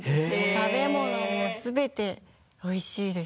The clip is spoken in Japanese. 食べ物もすべて、おいしいです。